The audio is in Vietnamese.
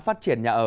phát triển nhà ở